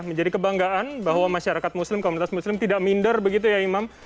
menjadi kebanggaan bahwa masyarakat muslim komunitas muslim tidak minder begitu ya imam